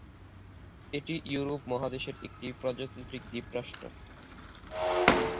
এটি ইউরোপ মহাদেশের একটি প্রজাতান্ত্রিক দ্বীপ রাষ্ট্র।